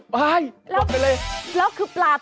ว้ายกดไปเลยแล้วคือปลาตัวเอง